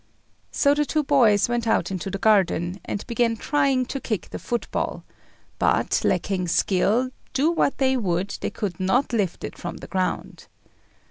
So the two boys went out into the garden, and began trying to kick the football; but, lacking skill, do what they would, they could not lift it from the ground.